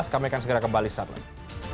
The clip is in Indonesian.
kami akan segera kembali setelah ini